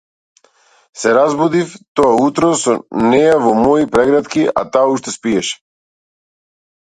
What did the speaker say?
Се разбудив тоа утро со неа во мои прегратки, а таа уште спиеше.